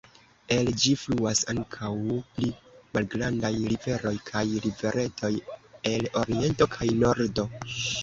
El ĝi fluas ankaŭ pli malgrandaj riveroj kaj riveretoj el oriento kaj nordo.